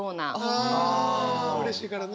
あうれしいからね。